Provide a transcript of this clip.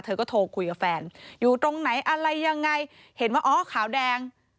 เธอก็โทรคุยกับแฟนอยู่ตรงไหนอะไรยังไงเห็นว่าอ๋อขาวแดง